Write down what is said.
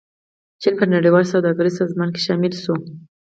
چین په نړیواله سوداګریزې سازمان کې شامل شو.